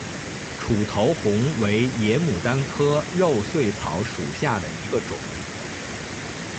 楮头红为野牡丹科肉穗草属下的一个种。